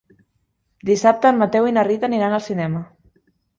Dissabte en Mateu i na Rita aniran al cinema.